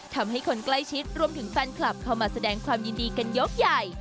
ทำให้คนใกล้ชิดรวมถึงแฟนคลับเข้ามาแสดงความยินดีกันยกใหญ่